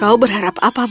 kau berharap apa meg